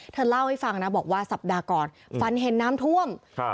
เธอเล่าให้ฟังนะบอกว่าสัปดาห์ก่อนฝันเห็นน้ำท่วมครับ